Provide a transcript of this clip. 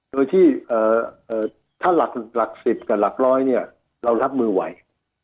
โดยที่ถ้าหลัก๑๐กับหลักร้อยเนี่ยเรารับมือไหว